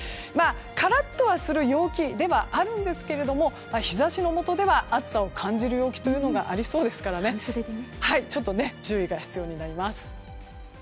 カラッとする陽気ではあるんですけれども日差しの下では暑さを感じる陽気がありそうですから注意が必要になりますね。